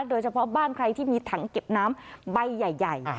โดยเฉพาะบ้านใครที่มีถังเก็บน้ำใบใหญ่